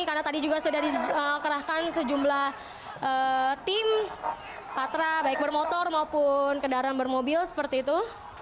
karena tadi juga sudah dikerahkan sejumlah tim patra baik bermotor maupun kendaraan bermobil seperti itu